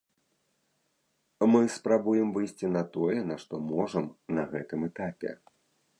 Мы спрабуем выйсці на тое, на што можам на гэтым этапе.